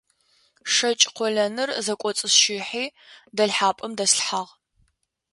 ШэкӀ къолэныр зэкӀоцӀысщыхьи дэлъхьапӀэм дэслъхьагъ.